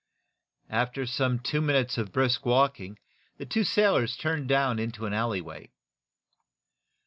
After some two minutes of brisk walking the two sailors turned down into an alleyway.